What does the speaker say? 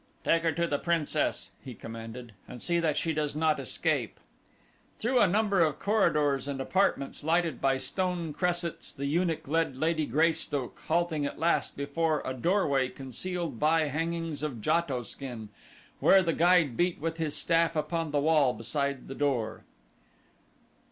"Take her to the princess," he commanded, "and see that she does not escape." Through a number of corridors and apartments lighted by stone cressets the eunuch led Lady Greystoke halting at last before a doorway concealed by hangings of JATO skin, where the guide beat with his staff upon the wall beside the door.